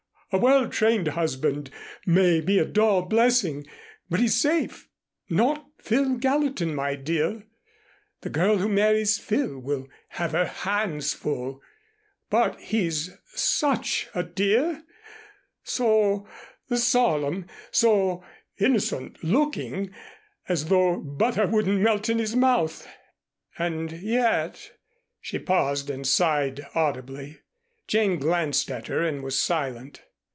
A well trained husband may be a dull blessing, but he's safe. Not Phil Gallatin, my dear. The girl who marries Phil will have her hands full. But he's such a dear! So solemn, so innocent looking, as though butter wouldn't melt in his mouth, and yet " she paused and sighed audibly. Jane glanced at her and was silent.